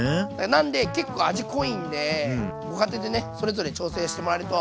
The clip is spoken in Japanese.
なんで結構味濃いんでご家庭でねそれぞれ調整してもらえるといいと思います。